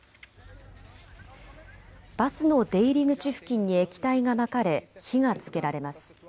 バスの出入り口付近に液体がまかれ火がつけられます。